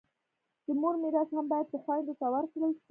د مور میراث هم باید و خویندو ته ورکړل سي.